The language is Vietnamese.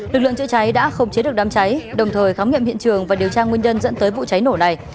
lực lượng chữa cháy đã không chế được đám cháy đồng thời khám nghiệm hiện trường và điều tra nguyên nhân dẫn tới vụ cháy nổ này